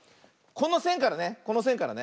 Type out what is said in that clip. このせんからねこのせんからね。